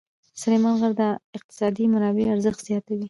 سلیمان غر د اقتصادي منابعو ارزښت زیاتوي.